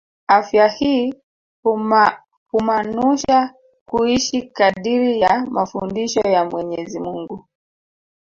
Afya hii humaanusha kuishi kadiri ya mafundisho ya Mwenyezi Mungu